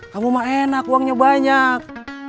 kamu mah enak uangnya banyak